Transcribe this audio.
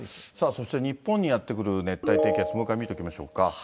そして日本にやって来る熱帯低気圧、もう一回見ておきましょ